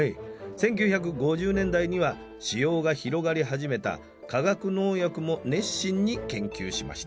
１９５０年代には使用が広がり始めた化学農薬も熱心に研究しました。